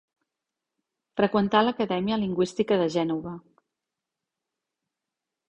Freqüentà l'Acadèmia Lingüística de Gènova.